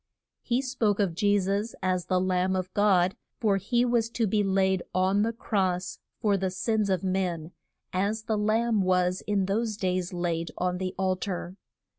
He spoke of Je sus as the Lamb of God, for he was to be laid on the cross for the sins of men, as the lamb was in those days laid on the al tar.